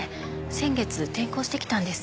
先月転校してきたんです。